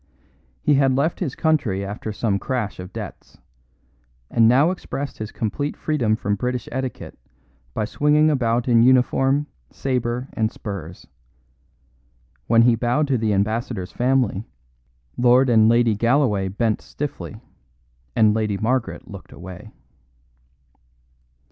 He had left his country after some crash of debts, and now expressed his complete freedom from British etiquette by swinging about in uniform, sabre and spurs. When he bowed to the Ambassador's family, Lord and Lady Galloway bent stiffly, and Lady Margaret looked away.